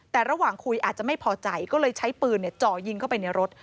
แต่ระหว่างคุยอาจจะไม่พอใจก็เลยใช้ปืนจ่อยิงเข้าไปในรถ